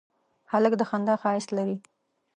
هلک د خندا ښایست لري.